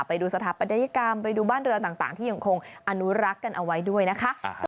ไปดูสถาปัตยกรรมไปดูบ้านเรือต่างที่ยังคงอนุรักษ์กันเอาไว้ด้วยนะคะ